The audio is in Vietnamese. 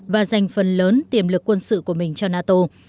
và dành phần lớn tiềm lực quân sự của mình cho nato